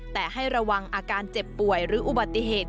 แต่ให้ระวังอาการเจ็บป่วยหรืออุบัติเหตุ